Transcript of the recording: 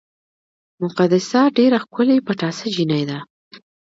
مقدسه ډېره ښکلې پټاسه جینۍ ده